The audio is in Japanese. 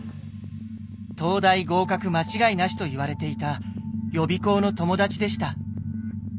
東大合格間違いなしと言われていた予備校の友達でした。